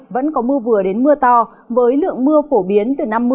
vẫn có mưa vừa đến mưa to với lượng mưa phổ biến